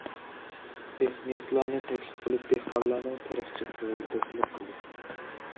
تېخنىكلارنى تەكلىپ قىلىپ دېھقانلارنىڭ تېرىقچىلىقىغا يېتەكچىلىك قىلدى.